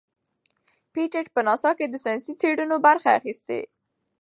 پېټټ په ناسا کې د ساینسي څیړنو برخه اخیستې.